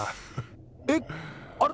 えっあれ？